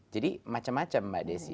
jadi macam macam mbak desy